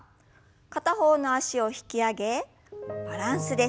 片方の脚を引き上げバランスです。